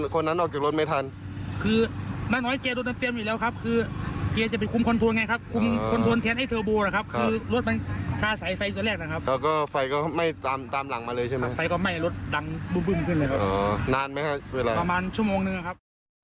ครับทั้งหมดเราก็ช็อต๓คนครับ